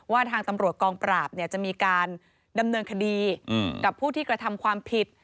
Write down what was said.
ทางตำรวจกองปราบจะมีการดำเนินคดีกับผู้ที่กระทำความผิด